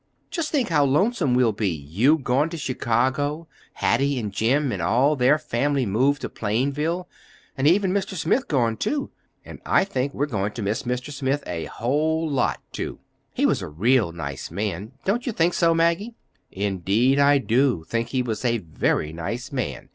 Just think how lonesome we'll be—you gone to Chicago, Hattie and Jim and all their family moved to Plainville, and even Mr. Smith gone, too! And I think we're going to miss Mr. Smith a whole lot, too. He was a real nice man. Don't you think so, Maggie?" "Indeed, I do think he was a very nice man!"